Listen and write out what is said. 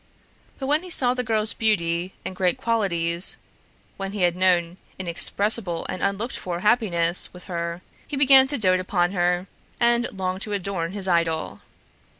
But when he saw the girl's beauty and great qualities, when he had known inexpressible and unlooked for happiness with her, he began to dote upon her, and longed to adorn his idol.